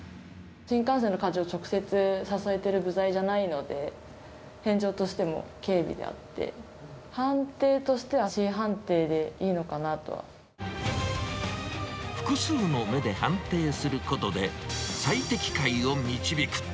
新幹線の荷重を直接支えている部材じゃないので、変状としても軽微であって、判定としてはＣ判定でいいのかな複数の目で判定することで、最適解を導く。